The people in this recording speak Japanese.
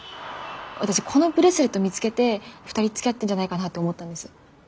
私このブレスレット見つけて２人つきあってるんじゃないかなって思ったんです。